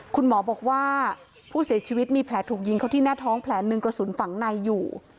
คุณหมอบอกว่าผู้เสียชีวิตมีแผลถูกยิงเขาที่หน้าท้องแผลหนึ่งกระสุนฝังในอยู่